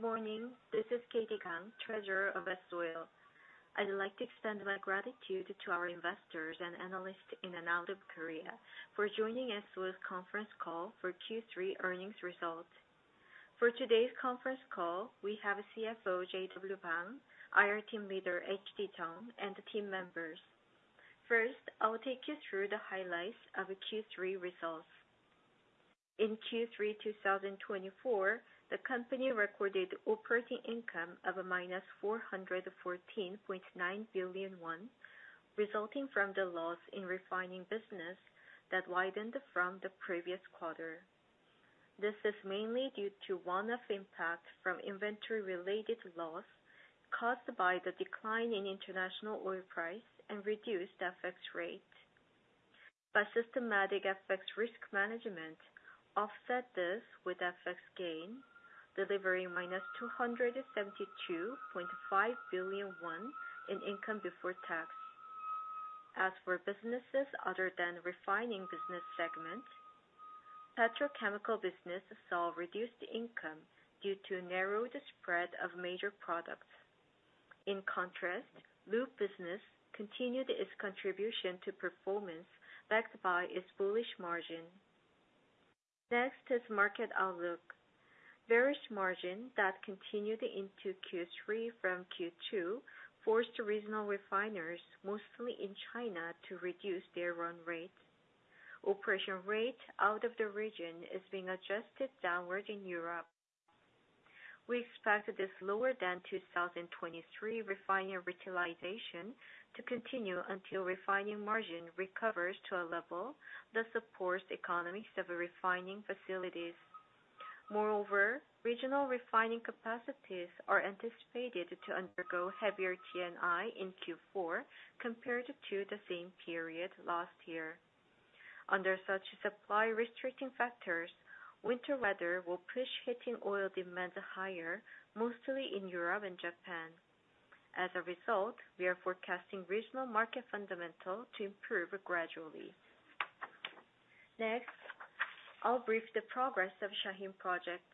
Good morning. This is Katie Kang, Treasurer of S-Oil. I'd like to extend my gratitude to our investors and analysts in and out of Korea for joining S-Oil's conference call for Q3 earnings results. For today's conference call, we have CFO JW Bang, IR Team Leader H.D. Jung, and the team members. First, I will take you through the highlights of Q3 results. In Q3 2024, the company recorded operating income of -414.9 billion won, resulting from the loss in refining business that widened from the previous quarter. This is mainly due to one-off impact from inventory related loss caused by the decline in international oil price and reduced FX rate. By systematic FX risk management, offset this with FX gain, delivering -272.5 billion KRW in income before tax. As for businesses other than refining business segment, petrochemical business saw reduced income due to narrowed spread of major products. In contrast, lube business continued its contribution to performance backed by its bullish margin. Next is market outlook. Bearish margin that continued into Q3 from Q2 forced regional refiners, mostly in China, to reduce their run rate. Operation rate out of the region is being adjusted downward in Europe. We expect this lower than 2023 refining utilization to continue until refining margin recovers to a level that supports economies of refining facilities. Moreover, regional refining capacities are anticipated to undergo heavier T&I in Q4 compared to the same period last year. Under such supply restricting factors, winter weather will push heating oil demand higher, mostly in Europe and Japan. As a result, we are forecasting regional market fundamental to improve gradually. Next, I'll brief the progress of Shaheen Project.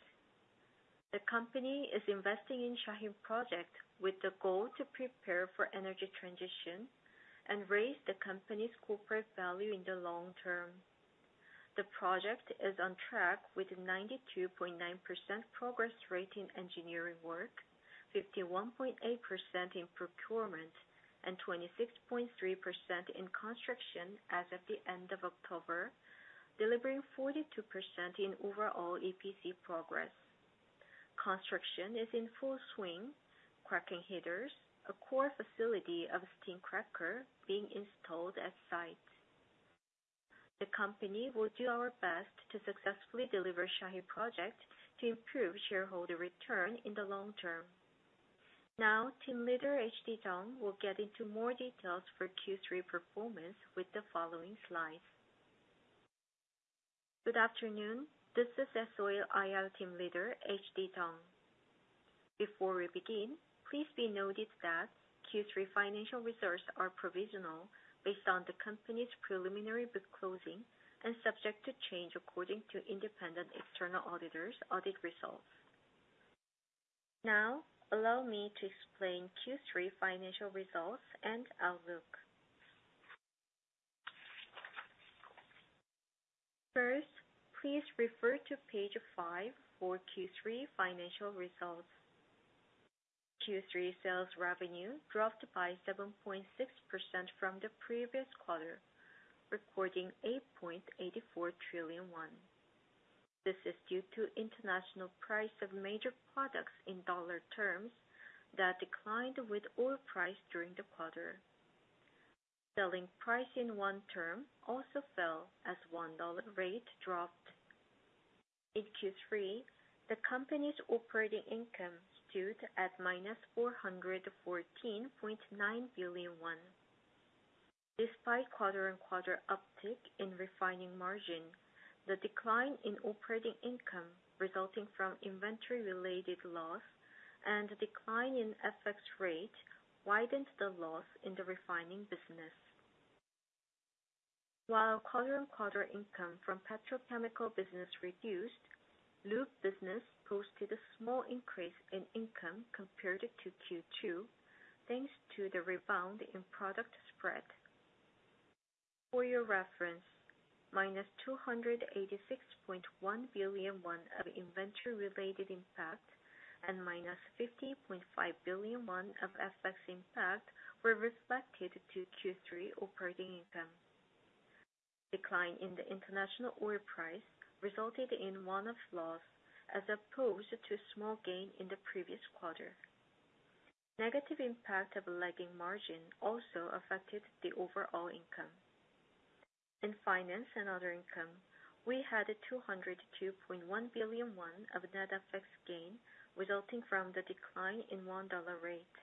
The company is investing in Shaheen Project with the goal to prepare for energy transition and raise the company's corporate value in the long term. The project is on track with 92.9% progress rate in engineering work, 51.8% in procurement, and 26.3% in construction as of the end of October, delivering 42% in overall EPC progress. Construction is in full swing. Cracking headers, a core facility of steam cracker being installed at site. The company will do our best to successfully deliver Shaheen Project to improve shareholder return in the long term. Now, Team Leader H.D. Jung will get into more details for Q3 performance with the following slides. Good afternoon. This is S-Oil IR Team Leader H.D. Jung. Before we begin, please be noted that Q3 financial results are provisional based on the company's preliminary book closing and subject to change according to independent external auditors' audit results. Now allow me to explain Q3 financial results and outlook. First, please refer to page five for Q3 financial results. Q3 sales revenue dropped by 7.6% from the previous quarter, recording 8.84 trillion won. This is due to international price of major products in dollar terms that declined with oil price during the quarter. Selling price in KRW term also fell as KRW-dollar rate dropped. In Q3, the company's operating income stood at -414.9 billion KRW. Despite quarter-on-quarter uptick in refining margin, the decline in operating income resulting from inventory related loss and decline in FX rate widened the loss in the refining business. While quarter-on-quarter income from petrochemical business reduced, lube business posted a small increase in income compared to Q2 thanks to the rebound in product spread. For your reference, -286.1 billion won of inventory related impact and -50.5 billion won of FX impact were reflected to Q3 operating income. Decline in the international oil price resulted in one-off loss as opposed to small gain in the previous quarter. Negative impact of lagging margin also affected the overall income. In finance and other income, we had a 202.1 billion won of net FX gain, resulting from the decline in KRW-dollar rate.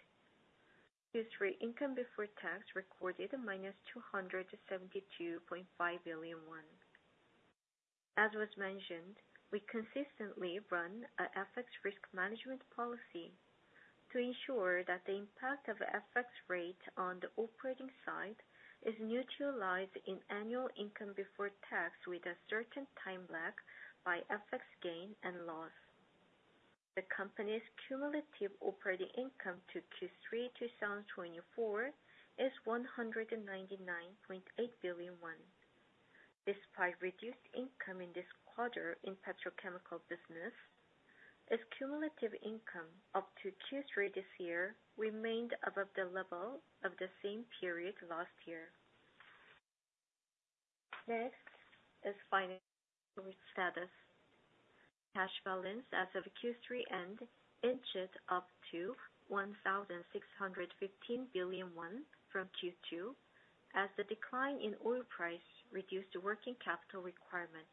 Q3 income before tax recorded a -272.5 billion won. As was mentioned, we consistently run a FX risk management policy. To ensure that the impact of FX rate on the operating side is neutralized in annual income before tax with a certain time lag by FX gain and loss. The company's cumulative operating income to Q3 2024 is 199.8 billion won. Despite reduced income in this quarter in petrochemical business, its cumulative income up to Q3 this year remained above the level of the same period last year. Next is financial status. Cash balance as of Q3 end inched up to 1,615 billion won from Q2, as the decline in oil price reduced working capital requirements.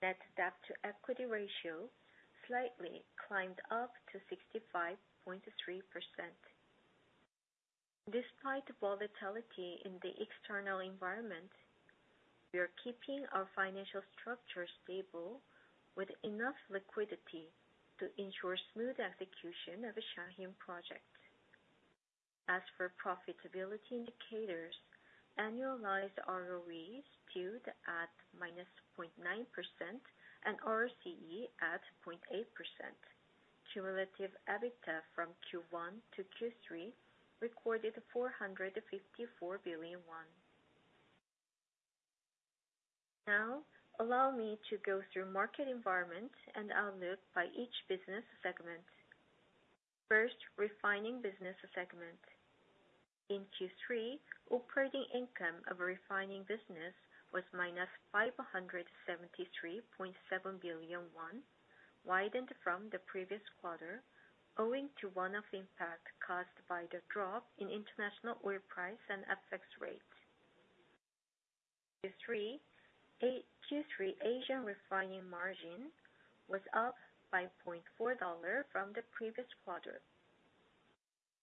Net debt to equity ratio slightly climbed up to 65.3%. Despite volatility in the external environment, we are keeping our financial structure stable with enough liquidity to ensure smooth execution of the Shaheen Project. As for profitability indicators, annualized ROE stood at -0.9% and ROCE at 0.8%. Cumulative EBITDA from Q1 to Q3 recorded KRW 454 billion. Now, allow me to go through market environment and outlook by each business segment. First, refining business segment. In Q3, operating income of refining business was -573.7 billion won, widened from the previous quarter, owing to one-off impact caused by the drop in international oil price and FX rate. In Q3 Asian refining margin was up by $0.4 from the previous quarter.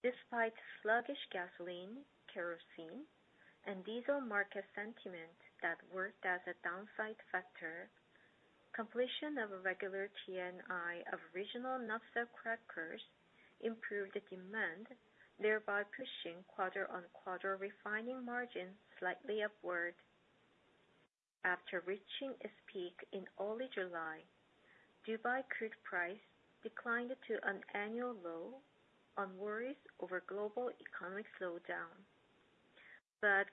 Despite sluggish gasoline, kerosene, and diesel market sentiment that worked as a downside factor, completion of a regular TNI of regional naphtha crackers improved the demand, thereby pushing quarter-on-quarter refining margin slightly upward. After reaching its peak in early July, Dubai crude price declined to an annual low on worries over global economic slowdown.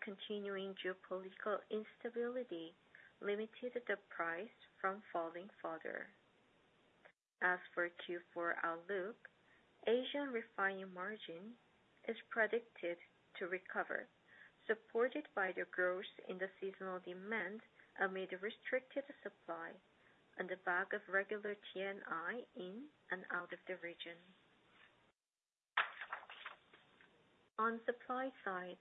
Continuing geopolitical instability limited the price from falling further. As for Q4 outlook, Asian refining margin is predicted to recover, supported by the growth in the seasonal demand amid restricted supply and the back of regular TNI in and out of the region. On supply side,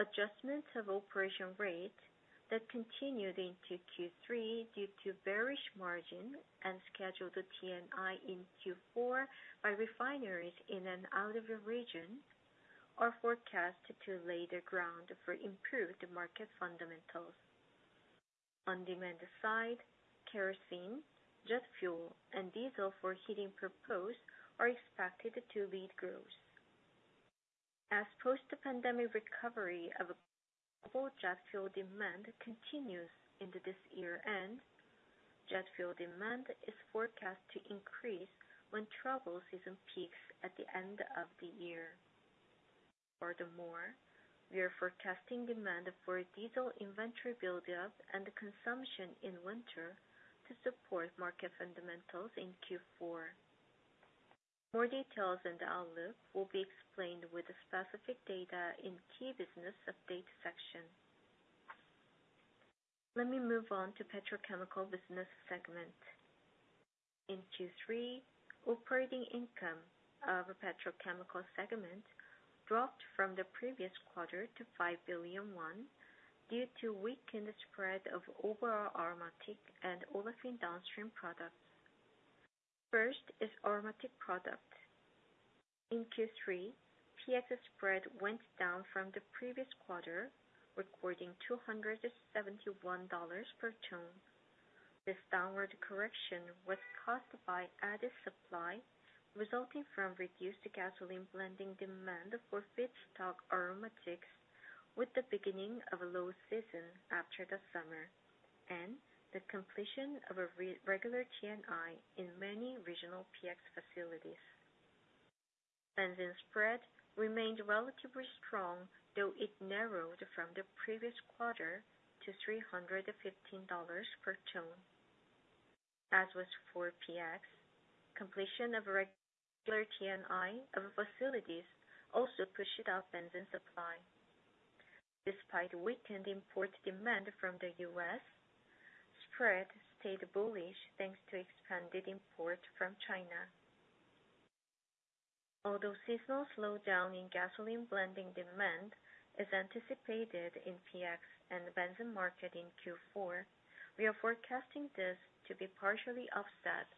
adjustments of operation rate that continued into Q3 due to bearish margin and scheduled TNI in Q4 by refineries in and out of the region are forecast to lay the ground for improved market fundamentals. On demand side, kerosene, jet fuel, and diesel for heating purpose are expected to lead growth. As post-pandemic recovery of global jet fuel demand continues into this year-end, jet fuel demand is forecast to increase when travel season peaks at the end of the year. Furthermore, we are forecasting demand for diesel inventory buildup and consumption in winter to support market fundamentals in Q4. More details and outlook will be explained with the specific data in key business update section. Let me move on to petrochemical business segment. In Q3, operating income of petrochemical segment dropped from the previous quarter to 5 billion won due to weakened spread of overall aromatic and olefin downstream products. First is aromatic product. In Q3, PX spread went down from the previous quarter, recording $271 per ton. This downward correction was caused by added supply, resulting from reduced gasoline blending demand for feedstock aromatics with the beginning of a low season after the summer, and the completion of a regular T&I in many regional PX facilities. Benzene spread remained relatively strong, though it narrowed from the previous quarter to $315 per ton. As was for PX, completion of a regular T&I of facilities also pushed up benzene supply. Despite weakened import demand from the U.S., spread stayed bullish thanks to expanded import from China. Although seasonal slowdown in gasoline blending demand is anticipated in PX and benzene market in Q4, we are forecasting this to be partially offset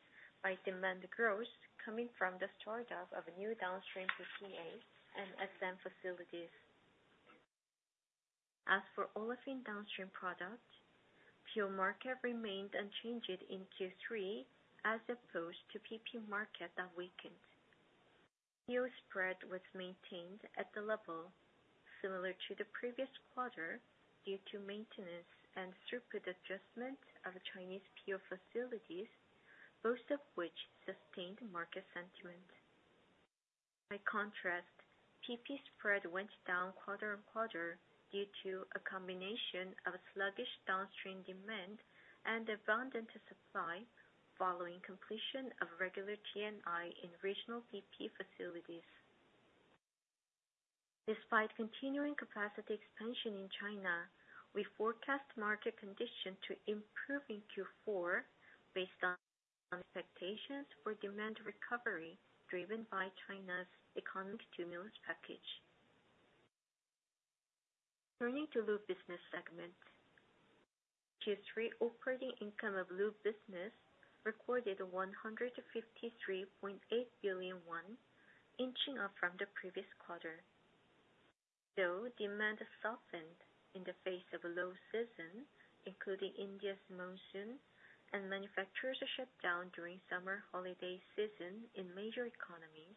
by demand growth coming from the startup of new downstream PTA and SM facilities. As for olefin downstream products, pure market remained unchanged in Q3 as opposed to PP market that weakened. PO spread was maintained at the level similar to the previous quarter due to maintenance and throughput adjustment of Chinese PO facilities, both of which sustained market sentiment. By contrast, PP spread went down quarter-on-quarter due to a combination of sluggish downstream demand and abundant supply following completion of regular T&I in regional PP facilities. Despite continuing capacity expansion in China, we forecast market condition to improve in Q4 based on expectations for demand recovery, driven by China's economic stimulus package. Turning to lube business segment. Q3 operating income of lube business recorded 153.8 billion won, inching up from the previous quarter. Though demand softened in the face of a low season, including India's monsoon and manufacturers' shutdown during summer holiday season in major economies,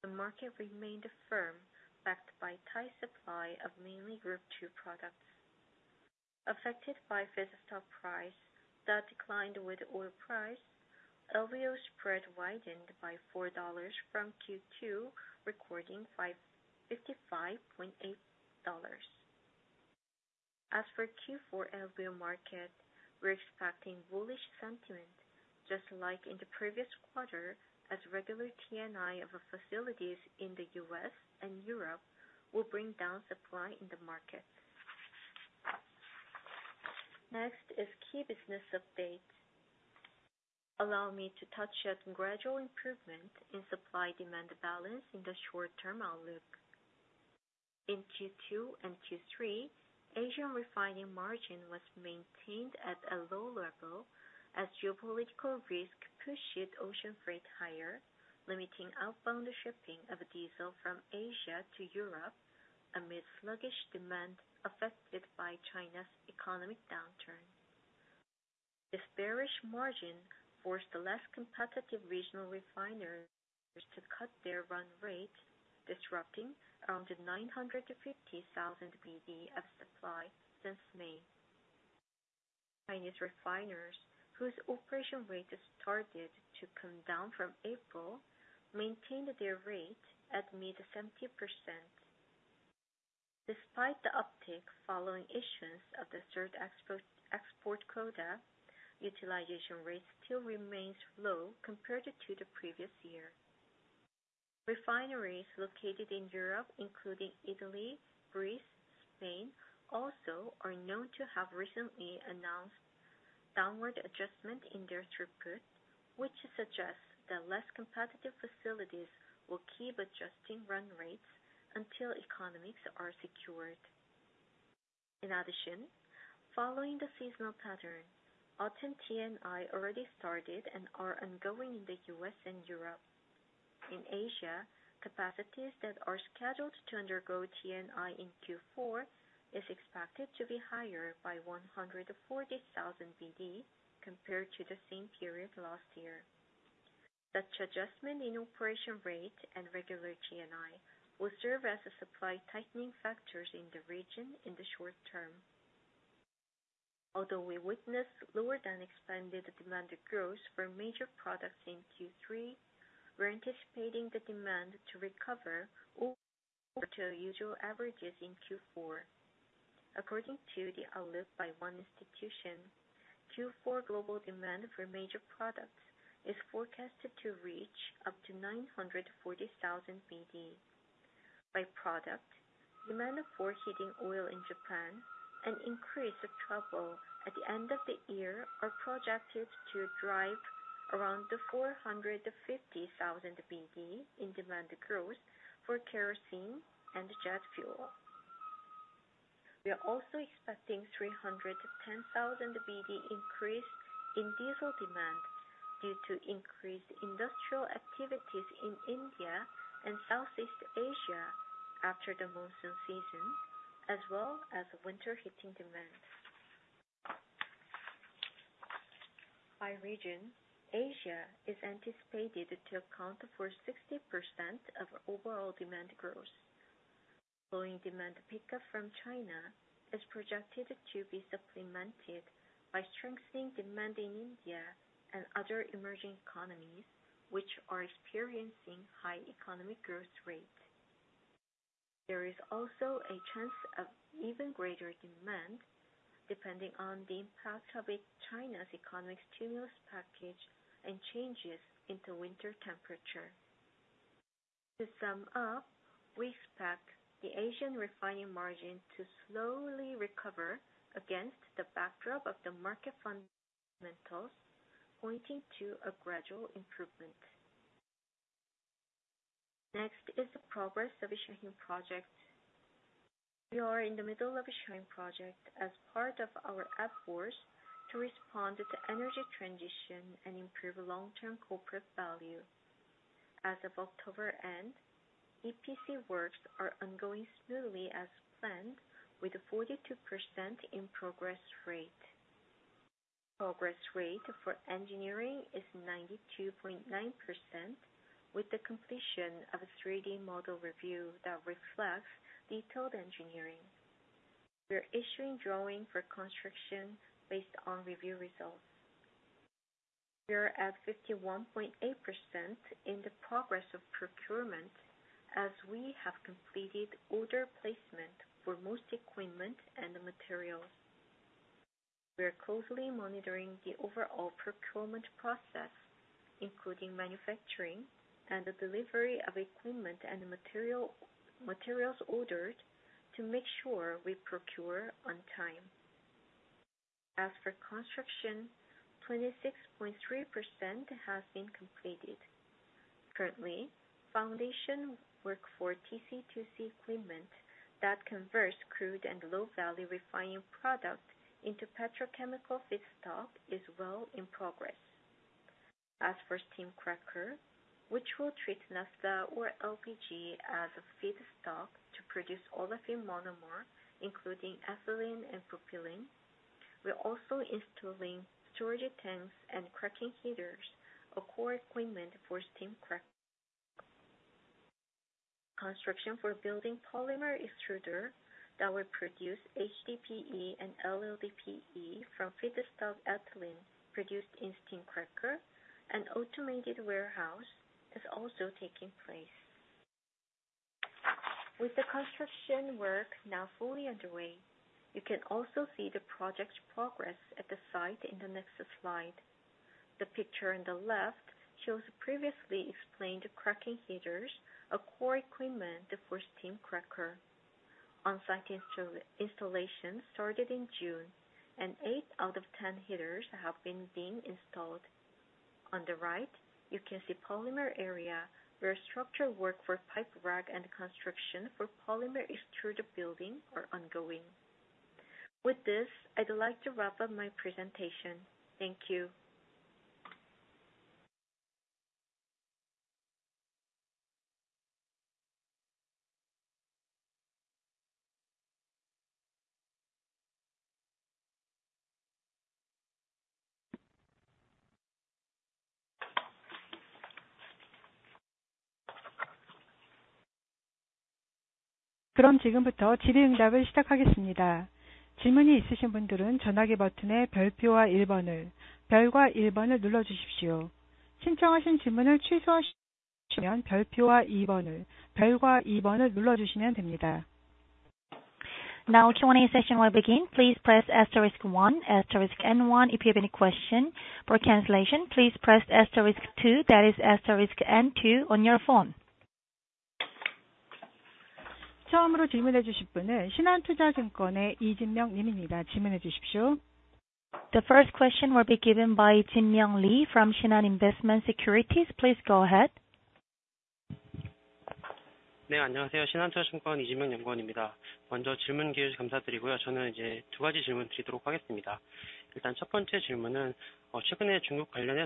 the market remained firm, backed by tight supply of mainly group 2 products. Affected by feedstock price that declined with oil price, LVO spread widened by $4 from Q2, recording $55.8. As for Q4 LVO market, we're expecting bullish sentiment, just like in the previous quarter, as regular T&I of our facilities in the U.S. and Europe will bring down supply in the market. Next is key business updates. Allow me to touch on gradual improvement in supply-demand balance in the short-term outlook. In Q2 and Q3, Asian refining margin was maintained at a low level as geopolitical risk pushed ocean freight higher, limiting outbound shipping of diesel from Asia to Europe amid sluggish demand affected by China's economic downturn. This bearish margin forced the less competitive regional refiners to cut their run rate, disrupting around 950,000 BD of supply since May. Chinese refiners, whose operation rate started to come down from April, maintained their rate at mid-70%. Despite the uptick following issues of the third export quota, utilization rates still remains low compared to the previous year. Refineries located in Europe, including Italy, Greece, Spain, also are known to have recently announced downward adjustment in their throughput, which suggests that less competitive facilities will keep adjusting run rates until economics are secured. In addition, following the seasonal pattern, autumn T&I already started and are ongoing in the U.S. and Europe. In Asia, capacities that are scheduled to undergo T&I in Q4 is expected to be higher by 140,000 BD compared to the same period last year. Such adjustment in operation rate and regular T&I will serve as supply tightening factors in the region in the short term. Although we witnessed lower than expected demand growth for major products in Q3, we are anticipating the demand to recover over to usual averages in Q4. According to the outlook by one institution, Q4 global demand for major products is forecasted to reach up to 940,000 BD. By product, demand for heating oil in Japan and increase of travel at the end of the year are projected to drive around 450,000 BD in demand growth for kerosene and jet fuel. We are also expecting 310,000 BD increase in diesel demand due to increased industrial activities in India and Southeast Asia after the monsoon season, as well as winter heating demand. By region, Asia is anticipated to account for 60% of overall demand growth. Growing demand pickup from China is projected to be supplemented by strengthening demand in India and other emerging economies, which are experiencing high economic growth rate. There is also a chance of even greater demand, depending on the impact of China's economic stimulus package and changes in the winter temperature. To sum up, we expect the Asian refining margin to slowly recover against the backdrop of the market fundamentals, pointing to a gradual improvement. Next is the progress of the Shaheen Project. We are in the middle of a Shaheen Project as part of our efforts to respond to energy transition and improve long-term corporate value. As of October end, EPC works are ongoing smoothly as planned with a 42% in progress rate. Progress rate for engineering is 92.9% with the completion of a 3D model review that reflects detailed engineering. We are issuing drawing for construction based on review results. We are at 51.8% in the progress of procurement as we have completed order placement for most equipment and materials. We are closely monitoring the overall procurement process, including manufacturing and the delivery of equipment and materials ordered to make sure we procure on time. As for construction, 26.3% has been completed. Currently, foundation work for TC2C equipment that converts crude and low-value refining product into petrochemical feedstock is well in progress. As for steam cracker, which will treat naphtha or LPG as a feedstock to produce olefin monomer, including ethylene and propylene, we are also installing storage tanks and cracking heaters, a core equipment for steam cracker. Construction for building polymer extruder that will produce HDPE and LLDPE from feedstock ethylene produced in steam cracker and automated warehouse is also taking place. With the construction work now fully underway, you can also see the project's progress at the site in the next slide. The picture on the left shows previously explained cracking heaters, a core equipment for steam cracker. Onsite installation started in June, and eight out of 10 heaters have been installed. On the right, you can see polymer area where structural work for pipe rack and construction for polymer extruder building are ongoing. With this, I would like to wrap up my presentation. Thank you. Q&A session will begin. Please press asterisk one, asterisk and one if you have any question. For cancellation, please press asterisk two, that is asterisk and two on your phone. The first question will be given by Jin Myung Lee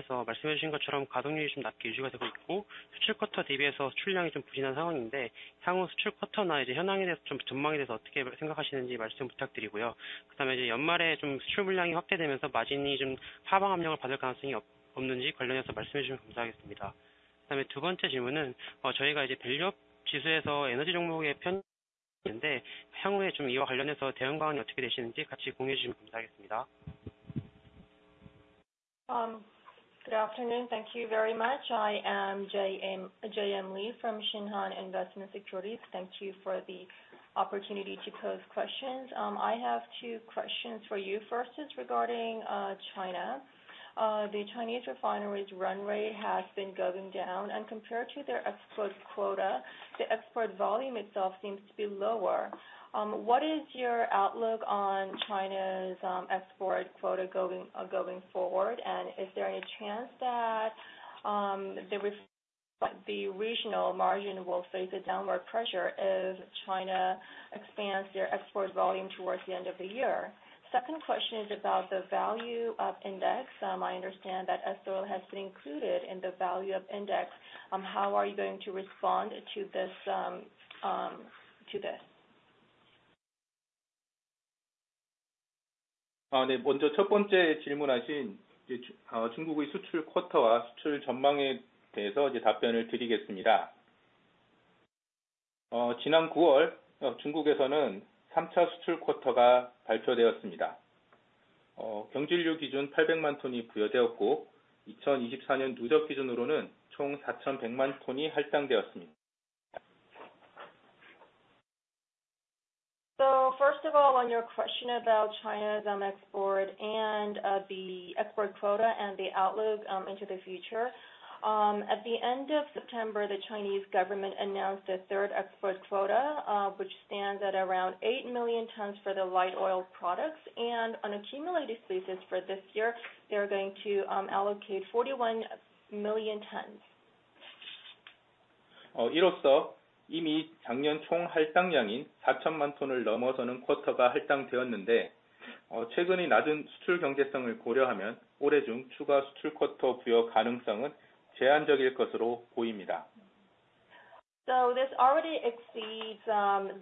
from Shinhan Investment Securities. Please go ahead. Good afternoon. Thank you very much. I am JM Lee from Shinhan Investment Securities. Thank you for the opportunity to pose questions. I have two questions for you. First is regarding China. The Chinese refineries run rate has been going down and compared to their export quota, the export volume itself seems to be lower. What is your outlook on China's export quota going forward? Is there any chance that the regional margin will face a downward pressure as China expands their export volume towards the end of the year? Second question is about the Value-Up Index. I understand that S-Oil has been included in the Value-Up Index. How are you going to respond to this? First of all, on your question about China's export and the export quota and the outlook into the future. At the end of September, the Chinese government announced a third export quota, which stands at around 8 million tons for the light oil products. On a cumulative basis for this year, they are going to allocate 41 million tons. 이로써 이미 작년 총 할당량인 4,000만 톤을 넘어서는 쿼터가 할당되었는데, 최근의 낮은 수출 경제성을 고려하면 올해 중 추가 수출 쿼터 부여 가능성은 제한적일 것으로 보입니다. This already exceeds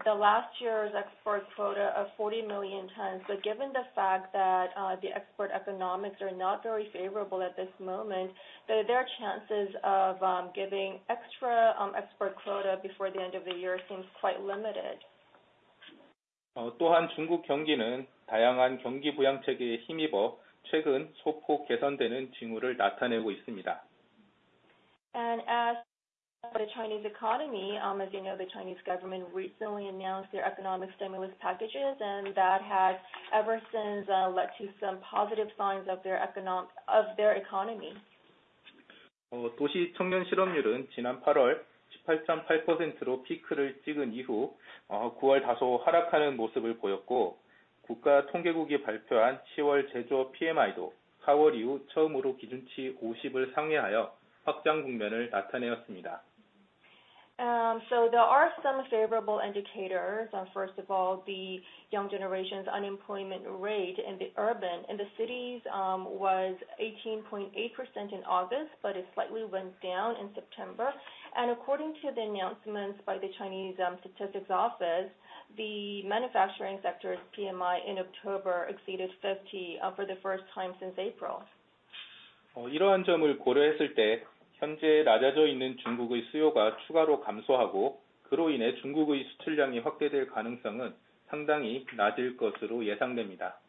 the last year's export quota of 40 million tons. Given the fact that the export economics are not very favorable at this moment, their chances of giving extra export quota before the end of the year seems quite limited. 또한 중국 경기는 다양한 경기 부양책에 힘입어 최근 소폭 개선되는 징후를 나타내고 있습니다. As the Chinese economy, as you know, the Chinese government recently announced their economic stimulus packages and that has ever since led to some positive signs of their economy. 도시 청년 실업률은 지난 8월 18.8%로 피크를 찍은 이후 9월 다소 하락하는 모습을 보였고, 국가통계국이 발표한 10월 제조업 PMI도 4월 이후 처음으로 기준치 50을 상회하여 확장 국면을 나타내었습니다. There are some favorable indicators. First of all, the young generation's unemployment rate in the cities was 18.8% in August, but it slightly went down in September. According to the announcements by the Chinese Statistics Office, the manufacturing sector's PMI in October exceeded 50 for the first time since April. 이러한 점을 고려했을 때 현재 낮아져 있는 중국의 수요가 추가로 감소하고 그로 인해 중국의 수출량이 확대될 가능성은 상당히 낮을 것으로 예상됩니다.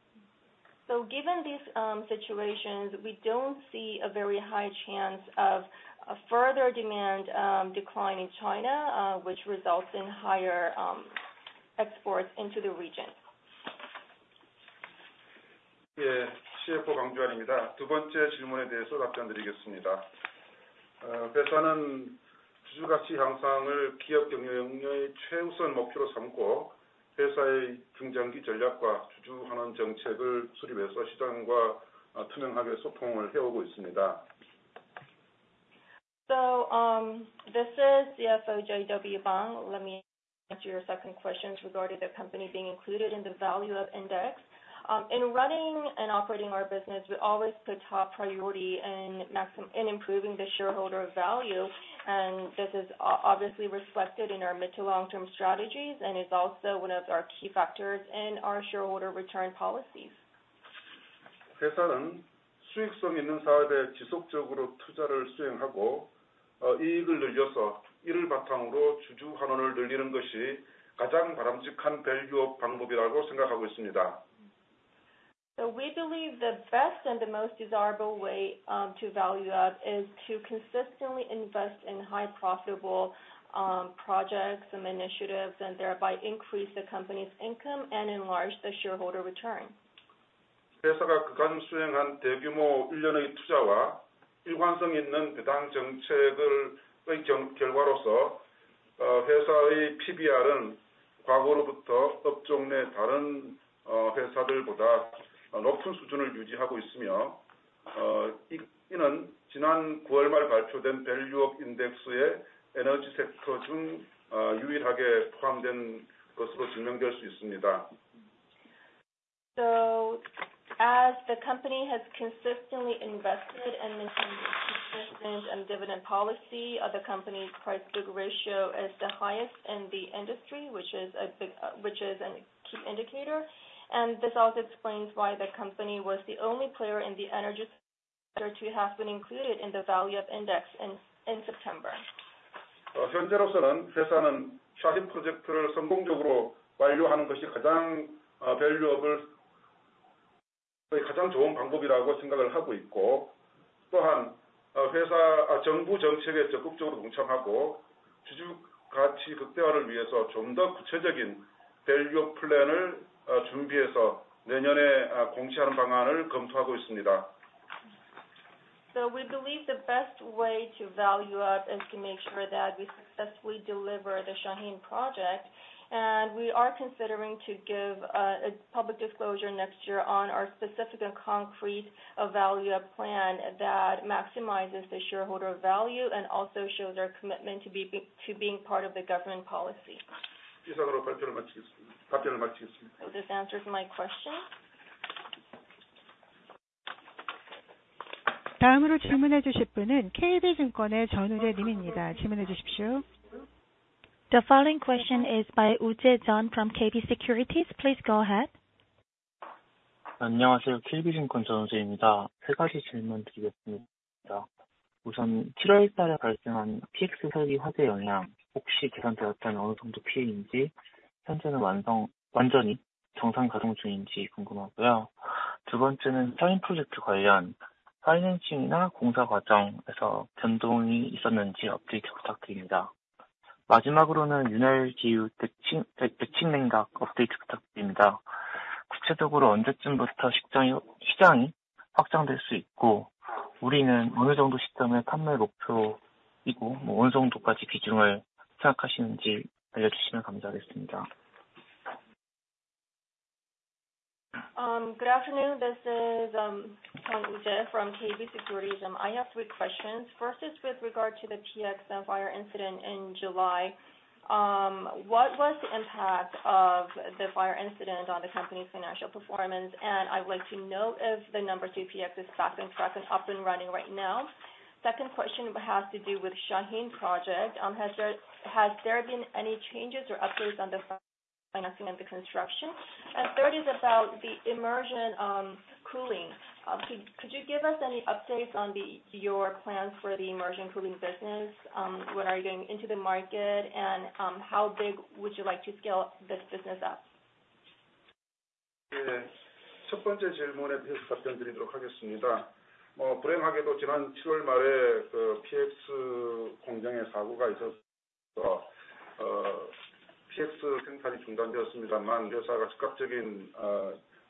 Given these situations, we don't see a very high chance of a further demand decline in China, which results in higher exports into the region. 예, CFO 강주환입니다. 두 번째 질문에 대해서 답변드리겠습니다. 회사는 주주 가치 향상을 기업 경영의 최우선 목표로 삼고 회사의 중장기 전략과 주주 환원 정책을 수립해서 시장과 투명하게 소통을 해오고 있습니다. This is CFO JW Bang. Let me answer your second question regarding the company being included in the Value-Up Index. In running and operating our business, we always put top priority in improving the shareholder value. This is obviously reflected in our mid to long term strategies and is also one of our key factors in our shareholder return policies. 회사는 수익성 있는 사업에 지속적으로 투자를 수행하고, 이익을 늘려서 이를 바탕으로 주주 환원을 늘리는 것이 가장 바람직한 value-up 방법이라고 생각하고 있습니다. We believe the best and the most desirable way to Value-up is to consistently invest in high profitable projects and initiatives and thereby increase the company's income and enlarge the shareholder return. 회사가 그간 수행한 대규모 1년의 투자와 일관성 있는 배당 정책의 결과로서 회사의 PBR은 과거로부터 업종 내 다른 회사들보다 높은 수준을 유지하고 있으며, 이는 지난 9월 말 발표된 Value-Up Index의 에너지 섹터 중 유일하게 포함된 것으로 증명될 수 있습니다. As the company has consistently invested and maintained its systems and dividend policy of the company's price-book ratio is the highest in the industry, which is a key indicator. This also explains why the company was the only player in the energy sector to have been included in the Value-up Index in September. 현재로서는 회사는 Shaheen 프로젝트를 성공적으로 완료하는 것이 Value-Up의 가장 좋은 방법이라고 생각을 하고 있고, 또한 정부 정책에 적극적으로 동참하고 주주 가치 극대화를 위해서 좀더 구체적인 Value-Up 플랜을 준비해서 내년에 공시하는 방안을 검토하고 있습니다. We believe the best way to Value-up is to make sure that we successfully deliver the Shaheen Project. We are considering to give a public disclosure next year on our specific and concrete Value-up plan that maximizes the shareholder value and also shows our commitment to being part of the government policy. 이상으로 발표를 마치겠습니다. This answers my question. 다음으로 질문해 주실 분은 KB증권의 전우재 님입니다. 질문해 주십시오. The following question is by Woo Jae Jeon from KB Securities. Please go ahead. 안녕하세요. KB증권 전우재입니다. 세 가지 질문드리겠습니다. 우선 7월에 발생한 PX 설비 화재 영향, 혹시 계산되었던 어느 정도 피해인지, 현재는 완전히 정상 가동 중인지 궁금하고요. 두 번째는 Shaheen 프로젝트 관련, 파이낸싱이나 공사 과정에서 변동이 있었는지 업데이트 부탁드립니다. 마지막으로는 윤활기유 이머전 쿨링 업데이트 부탁드립니다. 구체적으로 언제쯤부터 시장이 확장될 수 있고, 우리는 어느 정도 시점에 판매 목표이고, 어느 정도까지 비중을 생각하시는지 알려주시면 감사하겠습니다. Good afternoon. This is Sung Woo Je from KB Securities. I have three questions. First is with regard to the PX fire incident in July. What was the impact of the fire incident on the company's financial performance? I would like to know if the number 2 PX is back on track and up and running right now. Second question has to do with Shaheen Project. Has there been any changes or updates on the financing of the construction? Third is about the immersion cooling. Could you give us any updates on your plans for the immersion cooling business? When are you getting into the market, and how big would you like to scale this business up? 첫 번째 질문에 대해서 답변드리도록 하겠습니다. 불행하게도 지난 7월 말에 PX 공장에 사고가 있어서 PX 생산이 중단되었습니다만, 회사가 즉각적인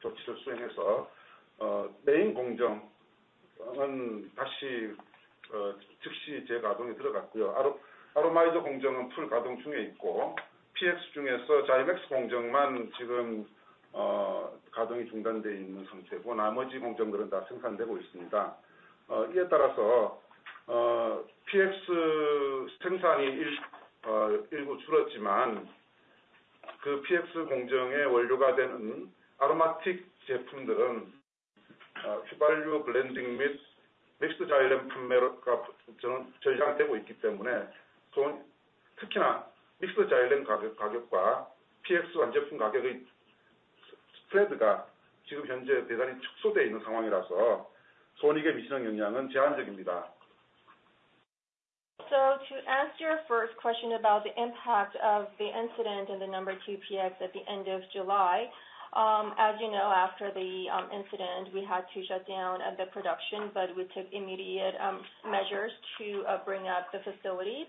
조치를 수행해서 메인 공정은 다시 즉시 재가동에 들어갔고요. Aromizer 공정은 풀 가동 중에 있고, PX 중에서 XyMax 공정만 지금 가동이 중단되어 있는 상태고 나머지 공정들은 다 생산되고 있습니다. 이에 따라서 PX 생산이 일부 줄었지만, 그 PX 공정의 원료가 되는 아로마틱 제품들은 휘발유 블렌딩 및 믹스 자이렌 판매가 전량 되고 있기 때문에, 특히나 믹스 자이렌 가격과 PX 완제품 가격의 스프레드가 지금 현재 대단히 축소되어 있는 상황이라서 손익에 미치는 영향은 제한적입니다. To answer your first question about the impact of the incident in the number 2 PX at the end of July. After the incident, we had to shut down the production, but we took immediate measures to bring up the facility.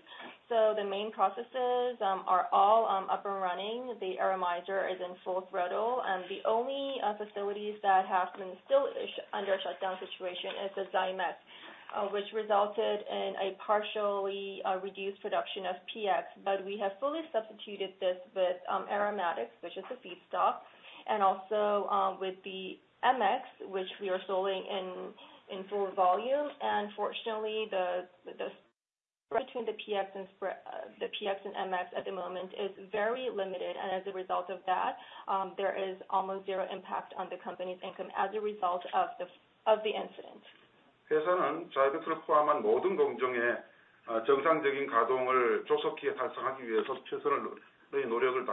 The main processes are all up and running. The Aromizer is in full throttle. The only facilities that have been still under a shutdown situation is the XyMax, which resulted in a partially reduced production of PX. We have fully substituted this with aromatics, which is a feedstock. Also with the MX, which we are selling in full volume. Fortunately, the spread between the PX and MX at the moment is very limited. As a result of that, there is almost zero impact on the company's income as a result of the incident. 회사는 XyMax를 포함한 모든 공정의 정상적인 가동을 조속히 달성하기 위해서 최선의 노력을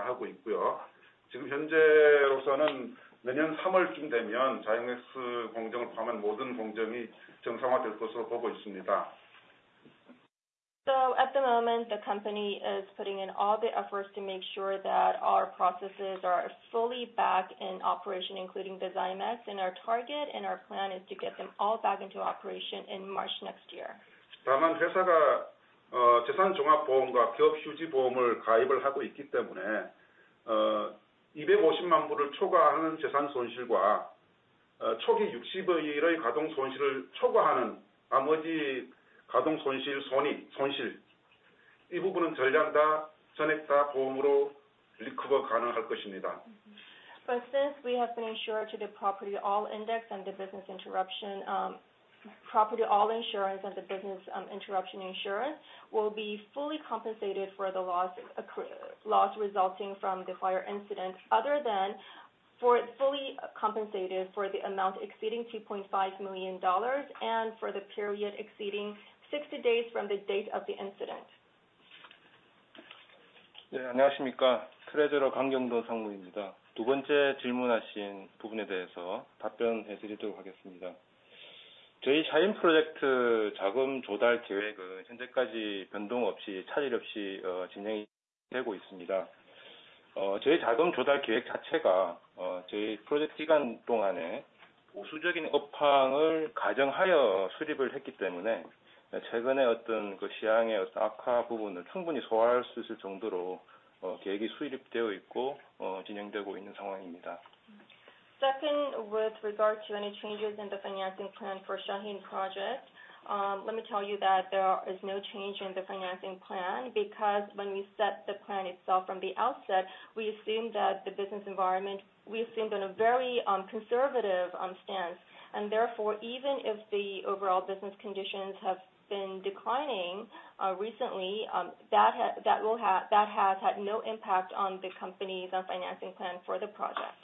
다하고 있고요. 지금 현재로서는 내년 3월쯤 되면 XyMax 공정을 포함한 모든 공정이 정상화될 것으로 보고 있습니다. At the moment, the company is putting in all the efforts to make sure that our processes are fully back in operation, including the XyMax. Our target and our plan is to get them all back into operation in March next year. 다만 회사가 재산종합보험과 기업휴지보험을 가입을 하고 있기 때문에 250만 불을 초과하는 재산 손실과 초기 60일의 가동 손실을 초과하는 나머지 가동 손실 손익, 이 부분은 전액 다 보험으로 recover 가능할 것입니다. Since we have been insured to the property all risks and the business interruption insurance, we'll be fully compensated for the loss resulting from the fire incident, other than for fully compensated for the amount exceeding $2.5 million and for the period exceeding 60 days from the date of the incident. 안녕하십니까. Treasurer 강경동 상무입니다. 두 번째 질문하신 부분에 대해서 답변해 드리도록 하겠습니다. 저희 Shaheen Project 자금 조달 계획은 현재까지 변동 없이, 차질 없이 진행이 되고 있습니다. 저희 자금 조달 계획 자체가 저희 Project 기간 동안에 우수적인 업황을 가정하여 수립을 했기 때문에 최근의 어떤 시황의 악화 부분을 충분히 소화할 수 있을 정도로 계획이 수립되어 있고 진행되고 있는 상황입니다. Second, with regard to any changes in the financing plan for Shaheen Project, let me tell you that there is no change in the financing plan because when we set the plan itself from the outset, we assumed a very conservative stance. Therefore, even if the overall business conditions have been declining recently, that has had no impact on the company's financing plan for the project.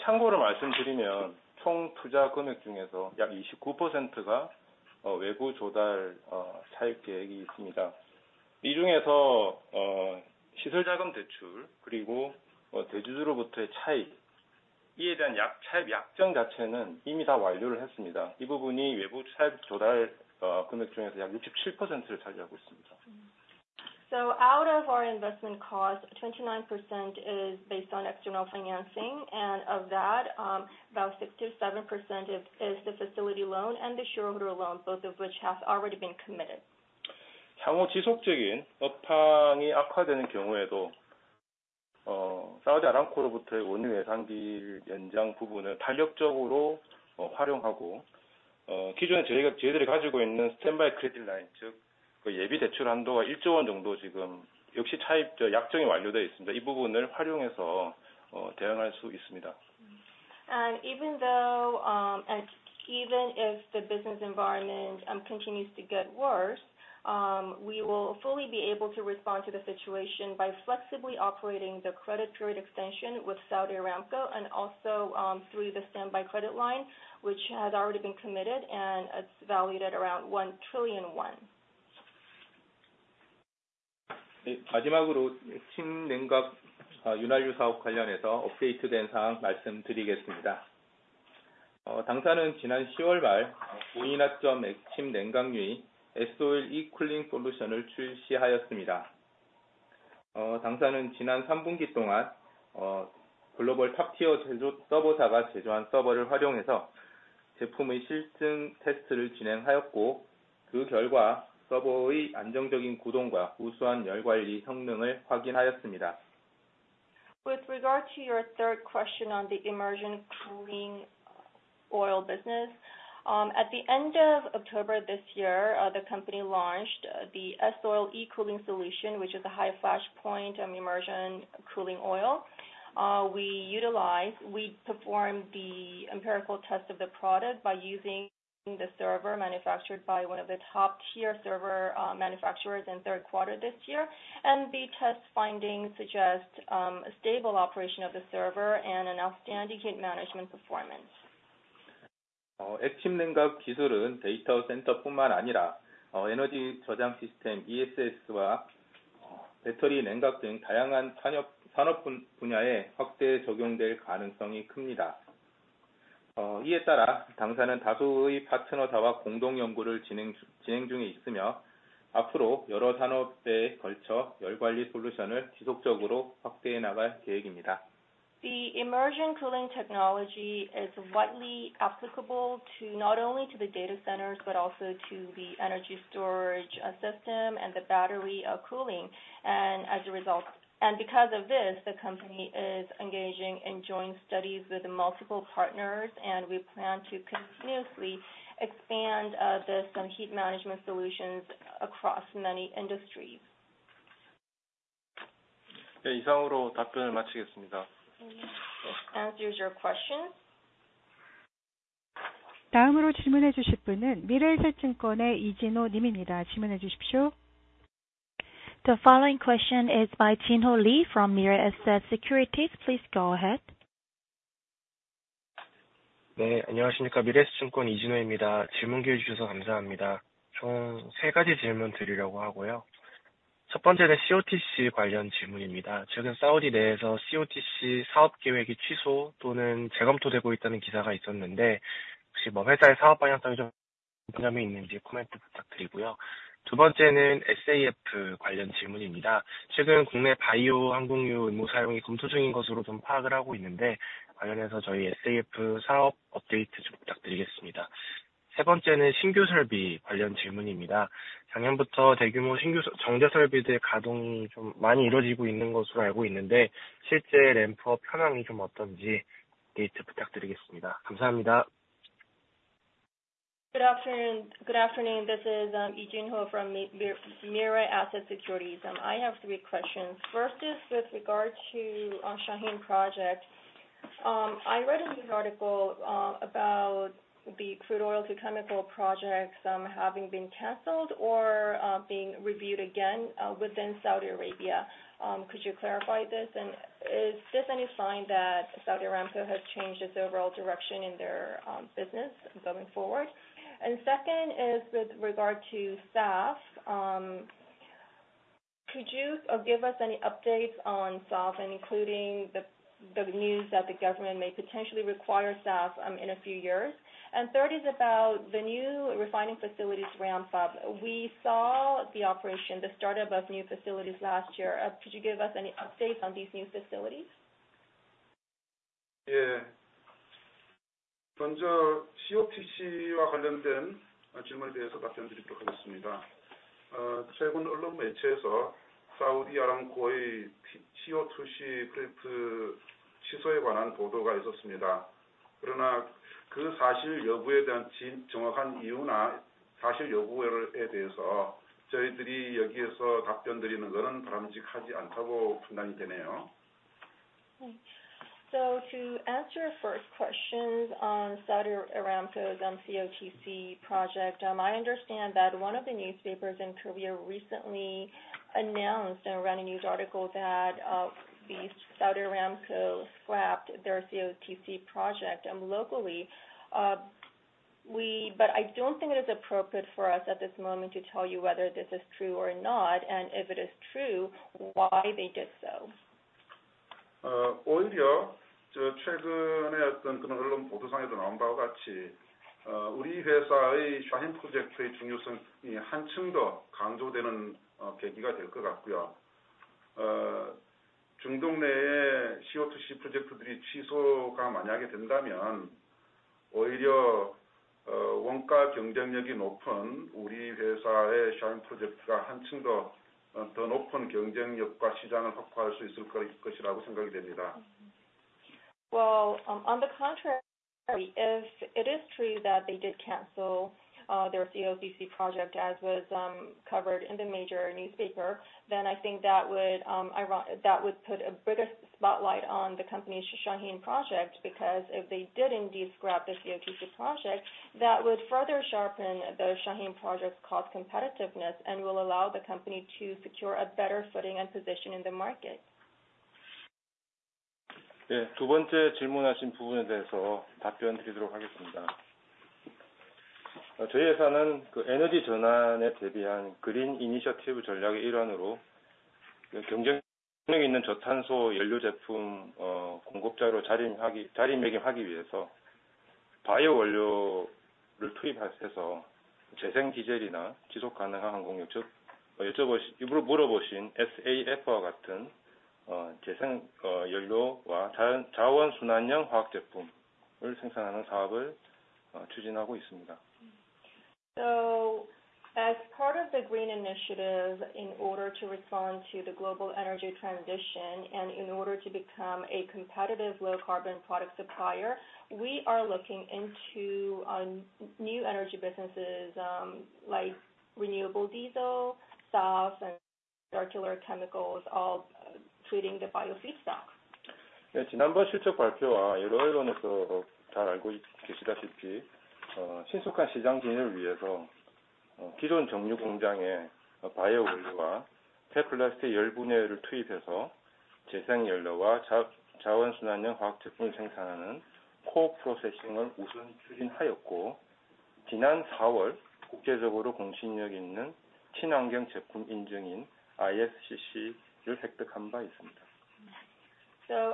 참고로 말씀드리면 총 투자 금액 중에서 약 29%가 외부 조달 차입 계획이 있습니다. 이 중에서 시설자금 대출 그리고 대주주로부터의 차입, 이에 대한 차입 약정 자체는 이미 다 완료를 했습니다. 이 부분이 외부 차입 조달 금액 중에서 약 67%를 차지하고 있습니다. Out of our investment cost, 29% is based on external financing, and of that, about 67% is the facility loan and the shareholder loan, both of which have already been committed. 향후 지속적인 업황이 악화되는 경우에도 Saudi Aramco로부터의 원유 예산일 연장 부분을 탄력적으로 활용하고, 기존에 저희들이 가지고 있는 standby credit line, 즉 예비 대출 한도가 1조 원 정도 역시 약정이 완료되어 있습니다. 이 부분을 활용해서 대응할 수 있습니다. Even if the business environment continues to get worse, we will fully be able to respond to the situation by flexibly operating the credit period extension with Saudi Aramco and also through the standby credit line, which has already been committed and it's valued at around 1 trillion. 마지막으로 액침 냉각 윤활유 사업 관련해서 업데이트된 사항 말씀드리겠습니다. 당사는 지난 10월 말 고유한 액침 냉각유인 S-Oil e-Cooling Solution을 출시하였습니다. 당사는 지난 3분기 동안 글로벌 Top tier 서버사가 제조한 서버를 활용해서 제품의 실증 테스트를 진행하였고, 그 결과 서버의 안정적인 구동과 우수한 열 관리 성능을 확인하였습니다. With regard to your third question on the immersion cooling oil business. At the end of October this year, the company launched the S-Oil e-Cooling Solution, which is a high flashpoint immersion cooling oil. We performed the empirical test of the product by using the server manufactured by one of the top tier server manufacturers in third quarter this year, the test findings suggest a stable operation of the server and an outstanding heat management performance. 액침 냉각 기술은 데이터 센터뿐만 아니라 에너지 저장 시스템 ESS와 배터리 냉각 등 다양한 산업 분야에 확대 적용될 가능성이 큽니다. 이에 따라 당사는 다수의 파트너사와 공동 연구를 진행 중에 있으며, 앞으로 여러 산업에 걸쳐 열 관리 솔루션을 지속적으로 확대해 나갈 계획입니다. The immersion cooling technology is widely applicable to not only to the data centers, but also to the energy storage system and the battery cooling. Because of this, the company is engaging in joint studies with multiple partners, and we plan to continuously expand this heat management solutions across many industries. 네, 이상으로 답변을 마치겠습니다. That answers your question. 다음으로 질문해 주실 분은 미래에셋증권의 이진호 님입니다. 질문해 주십시오. The following question is by Jinho Lee from Mirae Asset Securities. Please go ahead. 네, 안녕하십니까? 미래에셋증권 이진호입니다. 질문 기회 주셔서 감사합니다. 총세 가지 질문드리려고 하고요. 첫 번째는 COTC 관련 질문입니다. 최근 사우디 내에서 COTC 사업 계획이 취소 또는 재검토되고 있다는 기사가 있었는데, 혹시 회사의 사업 방향성에 좀 변동점이 있는지 코멘트 부탁드리고요. 두 번째는 SAF 관련 질문입니다. 최근 국내 바이오 항공유 의무 사용이 검토 중인 것으로 파악을 하고 있는데, 관련해서 저희 SAF 사업 업데이트 좀 부탁드리겠습니다. 세 번째는 신규 설비 관련 질문입니다. 작년부터 대규모 정제 설비들의 가동이 많이 이루어지고 있는 것으로 알고 있는데, 실제 램프업 현황이 어떤지 업데이트 부탁드리겠습니다. 감사합니다. Good afternoon. This is Jinho Lee from Mirae Asset Securities. I have three questions. First is with regard to Shaheen Project. I read a news article about the crude oil to chemical projects having been canceled or being reviewed again within Saudi Arabia. Is this any sign that Saudi Aramco has changed its overall direction in their business going forward? Second is with regard to SAF. Could you give us any updates on SAF including the news that the government may potentially require SAF in a few years? Third is about the new refining facilities ramp up. We saw the operation, the startup of new facilities last year. Could you give us any updates on these new facilities? 먼저 COTC와 관련된 질문에 대해서 답변드리도록 하겠습니다. 최근 언론 매체에서 사우디아람코의 COTC 프로젝트 취소에 관한 보도가 있었습니다. 그러나 그 사실 여부에 대한 정확한 이유나 사실 여부에 대해서 저희들이 여기에서 답변드리는 거는 바람직하지 않다고 판단이 되네요. To answer your first questions on Saudi Aramco's COTC project, I understand that one of the newspapers in Korea recently announced and ran a news article that Saudi Aramco scrapped their COTC project locally. I don't think it is appropriate for us at this moment to tell you whether this is true or not, and if it is true, why they did so. 오히려 최근에 어떤 언론 보도상에도 나온 바와 같이 우리 회사의 Shaheen 프로젝트의 중요성이 한층 더 강조되는 계기가 될것 같고요. 중동 내의 COTC 프로젝트들이 취소가 만약에 된다면 오히려 경쟁력이 높은 우리 회사의 샤힌 프로젝트가 한층 더 높은 경쟁력과 시장을 확보할 수 있을 것이라고 생각이 됩니다. On the contrary, if it is true that they did cancel their COTC project as was covered in the major newspaper, I think that would put a bigger spotlight on the company's Shaheen Project, because if they did indeed scrap the COTC project, that would further sharpen the Shaheen Project's cost competitiveness and will allow the company to secure a better footing and position in the market. 네, 두 번째 질문하신 부분에 대해서 답변드리도록 하겠습니다. 저희 회사는 에너지 전환에 대비한 그린 이니셔티브 전략의 일환으로 경쟁력 있는 저탄소 연료 제품 공급자로 자리매김하기 위해서 바이오 원료를 투입해서 재생 디젤이나 지속 가능한 항공유, 즉 일부러 물어보신 SAF와 같은 재생 연료와 자원 순환형 화학 제품을 생산하는 사업을 추진하고 있습니다. As part of the green initiative, in order to respond to the global energy transition and in order to become a competitive low carbon product supplier, we are looking into new energy businesses like renewable diesel, SAF and circular chemicals, all treating the bio feedstock. 지난번 실적 발표와 여러 회의론에서 잘 알고 계시다시피, 신속한 시장 진입을 위해서 기존 정유 공장에 바이오 원료와 폐플라스틱 열분해유를 투입해서 재생 연료와 자원 순환형 화학 제품을 생산하는 co-processing을 우선 추진하였고, 지난 4월 국제적으로 공신력 있는 친환경 제품 인증인 ISCC를 획득한 바 있습니다.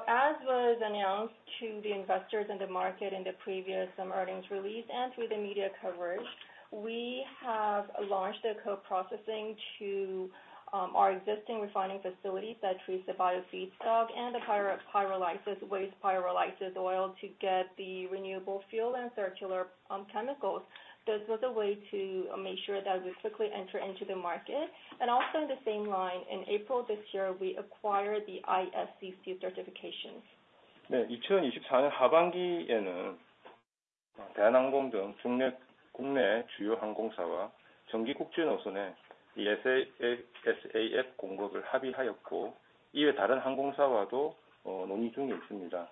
As was announced to the investors in the market in the previous earnings release and through the media coverage, we have launched a co-processing to our existing refining facilities that treats the bio feedstock and the waste pyrolysis oil to get the renewable fuel and circular chemicals. This was a way to make sure that we quickly enter into the market. Also in the same line, in April this year, we acquired the ISCC certification. 2024년 하반기에는 대한항공 등 국내 주요 항공사와 정기 국제 노선에 SAF 공급을 합의하였고, 이외 다른 항공사와도 논의 중에 있습니다.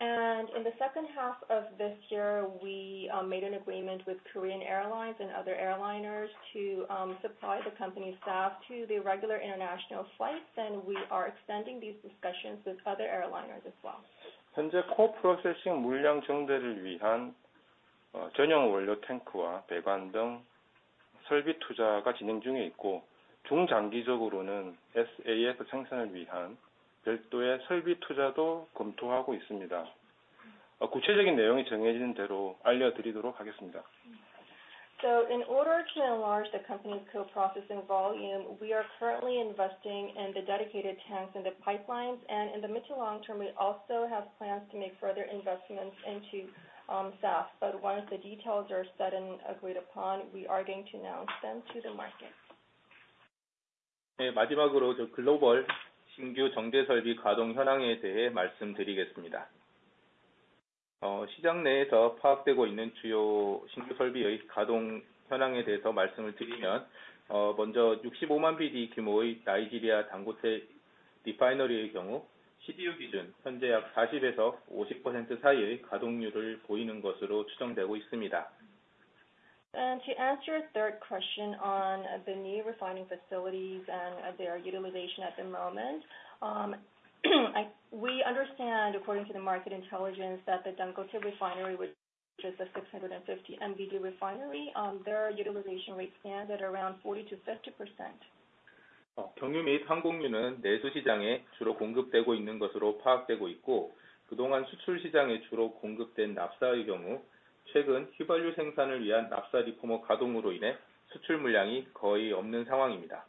In the second half of this year, we made an agreement with Korean Air and other airliners to supply the company SAF to the regular international flights. We are extending these discussions with other airliners as well. 현재 co-processing 물량 증대를 위한 전용 원료 탱크와 배관 등 설비 투자가 진행 중에 있고, 중장기적으로는 SAF 생산을 위한 별도의 설비 투자도 검토하고 있습니다. 구체적인 내용이 정해지는 대로 알려드리도록 하겠습니다. In order to enlarge the company's co-processing volume, we are currently investing in the dedicated tanks and the pipelines, and in the mid to long term, we also have plans to make further investments into SAF. Once the details are set and agreed upon, we are going to announce them to the market. 마지막으로 글로벌 신규 정제 설비 가동 현황에 대해 말씀드리겠습니다. 시장 내에서 파악되고 있는 주요 신규 설비의 가동 현황에 대해서 말씀을 드리면, 먼저 65만 bpd 규모의 나이지리아 Dangote Refinery의 경우 12일 기준 현재 약 40~50% 사이의 가동률을 보이는 것으로 추정되고 있습니다. To answer your third question on the new refining facilities and their utilization at the moment. We understand according to the market intelligence that the Dangote Refinery, which is a 650 MBD refinery, their utilization rate stands at around 40%-50%. 경유 및 항공유는 내수 시장에 주로 공급되고 있는 것으로 파악되고 있고, 그동안 수출 시장에 주로 공급된 납사의 경우 최근 휘발유 생산을 위한 납사 리포머 가동으로 인해 수출 물량이 거의 없는 상황입니다.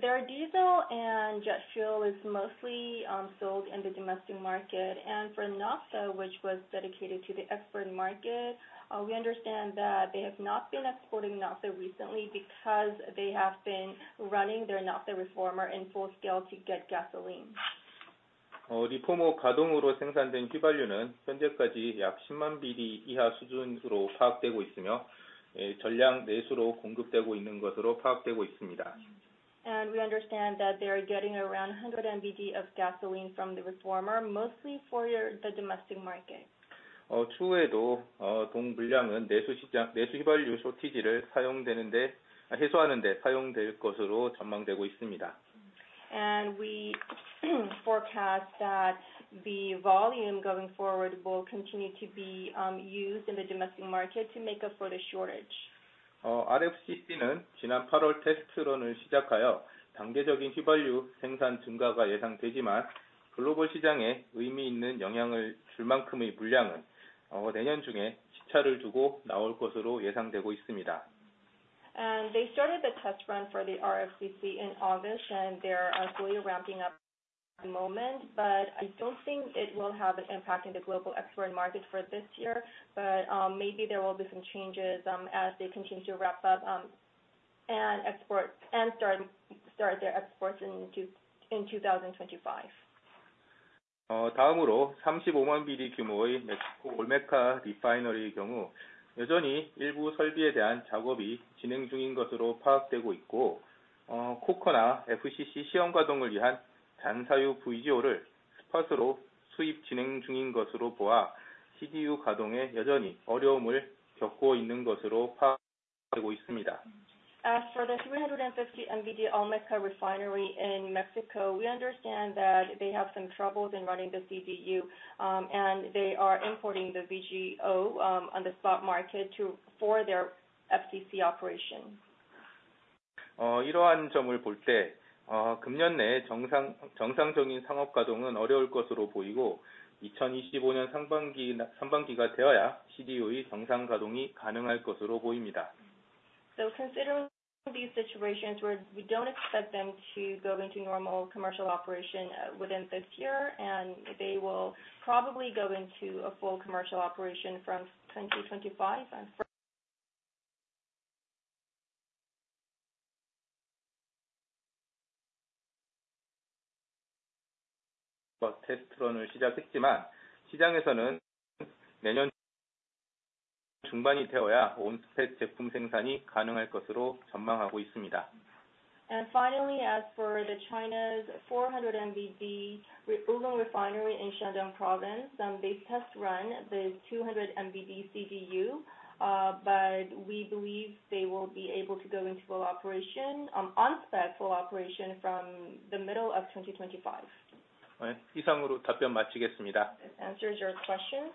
Their diesel and jet fuel is mostly sold in the domestic market. For naphtha, which was dedicated to the export market, we understand that they have not been exporting naphtha recently because they have been running their naphtha reformer in full scale to get gasoline. 리포머 가동으로 생산된 휘발유는 현재까지 약 10만 bpd 이하 수준으로 파악되고 있으며, 전량 내수로 공급되고 있는 것으로 파악되고 있습니다. We understand that they are getting around 100 MBD of gasoline from the reformer, mostly for the domestic market. 추후에도 동 물량은 내수 휘발유 쇼티지를 해소하는 데 사용될 것으로 전망되고 있습니다. We forecast that the volume going forward will continue to be used in the domestic market to make up for the shortage. RFCC는 지난 8월 테스트 런을 시작하여 단계적인 휘발유 생산 증가가 예상되지만, 글로벌 시장에 의미 있는 영향을 줄 만큼의 물량은 내년 중에 시차를 두고 나올 것으로 예상되고 있습니다. They started the test run for the RFCC in August, and they're fully ramping up at the moment, but I don't think it will have an impact on the global export market for this year. Maybe there will be some changes as they continue to ramp up and start their exports in 2025. 다음으로 35만 bpd 규모의 멕시코 Olmeca Refinery의 경우 여전히 일부 설비에 대한 작업이 진행 중인 것으로 파악되고 있고, 코커나 FCC 시험 가동을 위한 잔사유 VGO를 스팟으로 수입 진행 중인 것으로 보아 CDU 가동에 여전히 어려움을 겪고 있는 것으로 파악되고 있습니다. As for the 350 MBD Olmeca Refinery in Mexico, we understand that they have some troubles in running the CDU, and they are importing the VGO on the spot market for their FCC operation. 이러한 점을 볼때 금년 내에 정상적인 상업 가동은 어려울 것으로 보이고 2025년 상반기가 되어야 CDU의 정상 가동이 가능할 것으로 보입니다. Considering these situations where we don't expect them to go into normal commercial operation within this year, and they will probably go into a full commercial operation from 2025. 테스트 런을 시작했지만 시장에서는 내년 중반이 되어야 온스펙 제품 생산이 가능할 것으로 전망하고 있습니다. Finally, as for China's 400 MBD Yulong Refinery in Shandong province, they test run the 200 MBD CDU, we believe they will be able to go into on spec full operation from the middle of 2025. 네, 이상으로 답변 마치겠습니다. Answers your question.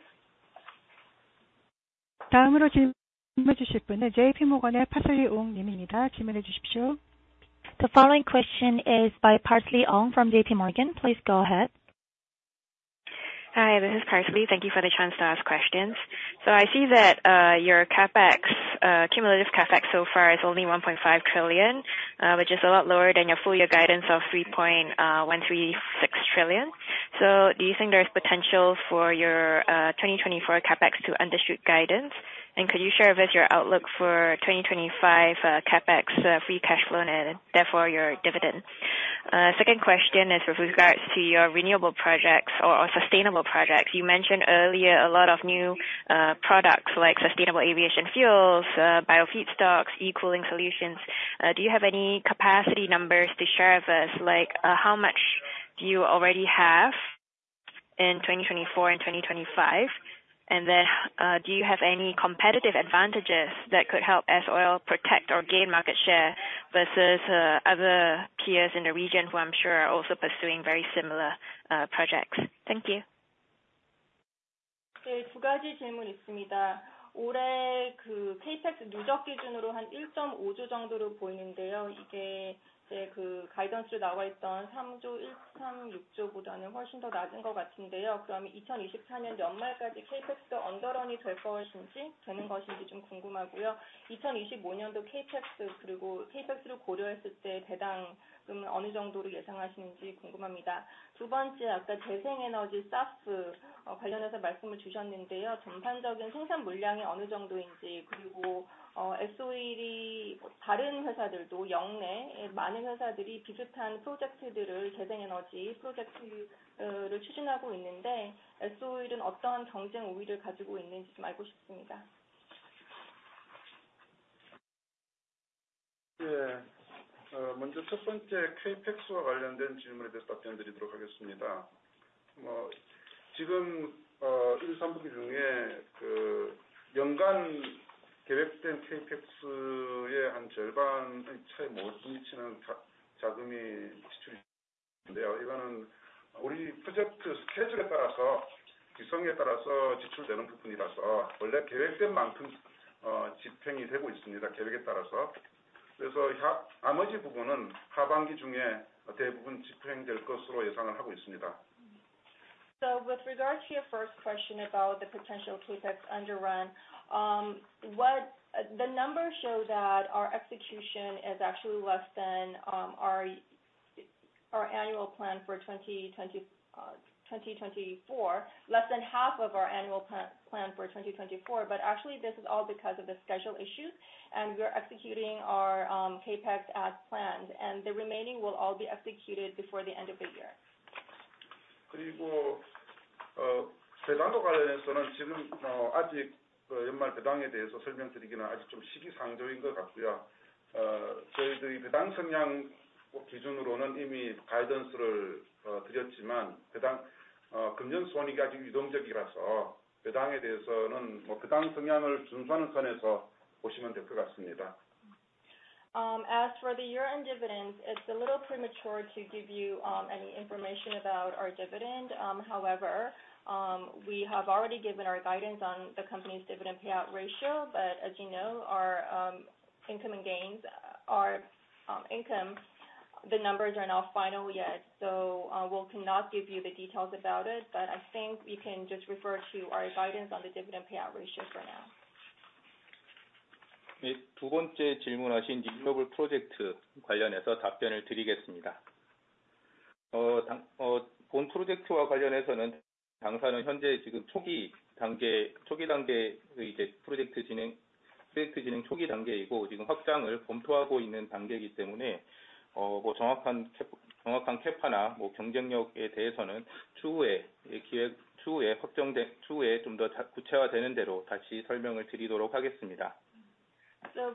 다음으로 질문해 주실 분은 JP Morgan의 Parsley Ong 님입니다. 질문해 주십시오. The following question is by Parsley Ong from JPMorgan. Please go ahead. Hi, this is Parsley. Thank you for the chance to ask questions. I see that your cumulative CapEx so far is only 1.5 trillion, which is a lot lower than your full year guidance of 3.136 trillion. Do you think there's potential for your 2024 CapEx to undershoot guidance? Could you share with your outlook for 2025 CapEx free cash flow and therefore your dividend? Second question is with regards to your renewable projects or sustainable projects. You mentioned earlier a lot of new products like sustainable aviation fuels, biofeedstocks, e-cooling solutions. Do you have any capacity numbers to share with us? Like how much do you already have in 2024 and 2025? Do you have any competitive advantages that could help S-Oil protect or gain market share versus other peers in the region who I'm sure are also pursuing very similar projects? Thank you. 네, 두 가지 질문 있습니다. 올해 CapEx 누적 기준으로 한 1.5조 정도로 보이는데요. 이게 가이던스에 나와 있던 3.136조보다는 훨씬 더 낮은 것 같은데요. 그러면 2024년 연말까지 CapEx가 under run이 될 것인지, 되는 것인지 좀 궁금하고요. 2025년도 CapEx 그리고 CapEx를 고려했을 때 배당금은 어느 정도로 예상하시는지 궁금합니다. 두 번째, 아까 재생 에너지 SAF 관련해서 말씀을 주셨는데요. 전반적인 생산 물량이 어느 정도인지, 그리고 S-Oil이 다른 회사들도 영내에 많은 회사들이 비슷한 재생 에너지 프로젝트들을 추진하고 있는데 S-Oil은 어떠한 경쟁 우위를 가지고 있는지 좀 알고 싶습니다. 먼저 첫 번째 CapEx와 관련된 질문에 대해서 답변을 드리도록 하겠습니다. 지금 1사분기 중에 연간 계획된 CapEx의 한 절반 차에 못 미치는 자금이 지출이 됐는데요. 이거는 우리 프로젝트 스케줄에 따라서, 특성에 따라서 지출되는 부분이라서 원래 계획된 만큼 집행이 되고 있습니다. 그래서 나머지 부분은 하반기 중에 대부분 집행될 것으로 예상을 하고 있습니다. With regards to your first question about the potential CapEx underrun, the numbers show that our execution is actually less than our annual plan for 2024, less than half of our annual plan for 2024. Actually, this is all because of the schedule issues, and we are executing our CapEx as planned, and the remaining will all be executed before the end of the year. 배당과 관련해서는 아직 연말 배당에 대해서 설명드리기는 아직 좀 시기상조인 것 같고요. 저희 배당성향 기준으로는 이미 가이던스를 드렸지만 금년 수익이 아직 유동적이라서 배당에 대해서는 배당성향을 준수하는 선에서 보시면 될것 같습니다. As for the year-end dividends, it is a little premature to give you any information about our dividend. However, we have already given our guidance on the company's dividend payout ratio. As you know, our income and gains are income. The numbers are not final yet. We cannot give you the details about it, but I think we can just refer to our guidance on the dividend payout ratio for now.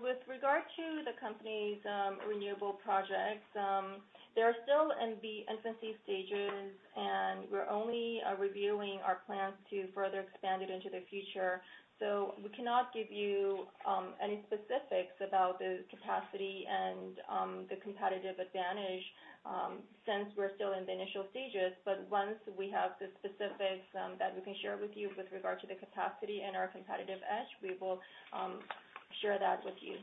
With regard to the company's renewable projects, they are still in the infancy stages, and we are only reviewing our plans to further expand it into the future. We cannot give you any specifics about the capacity and the competitive advantage, since we are still in the initial stages. Once we have the specifics that we can share with you with regard to the capacity and our competitive edge, we will share that with you.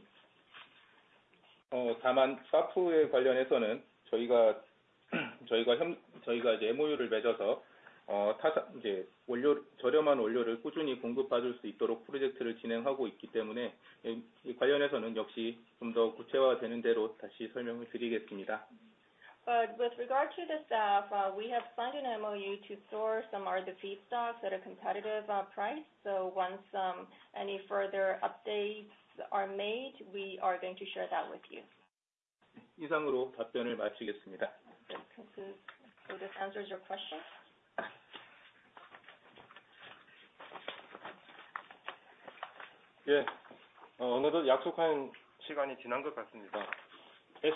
With regard to the SAF, we have signed an MOU to store some of the feedstocks at a competitive price. Once any further updates are made, we are going to share that with you. This answers your question. Thank you very much for showing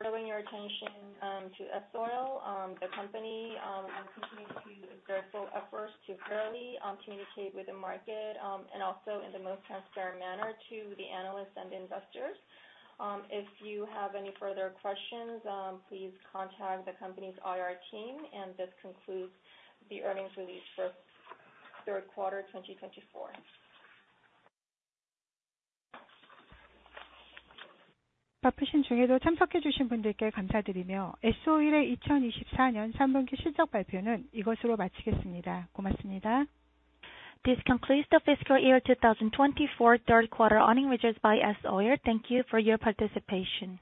your attention to S-Oil. The company will continue to exert full efforts to fairly communicate with the market and also in the most transparent manner to the analysts and investors. If you have any further questions, please contact the company's IR team. This concludes the earnings release for third quarter 2024. This concludes the fiscal year 2024 third quarter earning results by S-Oil. Thank you for your participation.